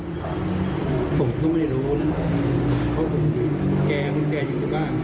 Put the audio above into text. ผมก็ไม่ได้รู้เพราะผมแก่คุณแก่อยู่ในบ้าน